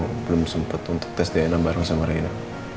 jadi nino belum sempet untuk tes dna bareng sama rina